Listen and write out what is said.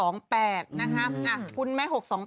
๖๒๘นะครับคุ้นไหม๖๒๘